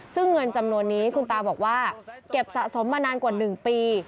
ซึ่งเงินจำนวนนี้คุณตาบอกว่าเก็บสะสมมานานกว่า๑ปี